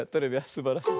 すばらしい。